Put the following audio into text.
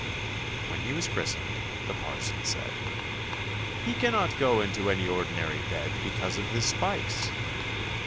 When he was christened, the parson said, "He cannot go into any ordinary bed because of his spikes."